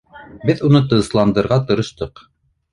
— Беҙ уны тынысландырырға тырыштыҡ.